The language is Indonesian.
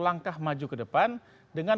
langkah maju ke depan dengan